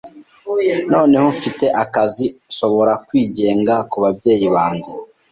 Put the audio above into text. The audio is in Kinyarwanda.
Noneho ko mfite akazi, nshobora kwigenga kubabyeyi banjye.